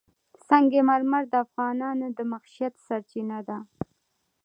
سنگ مرمر د افغانانو د معیشت سرچینه ده.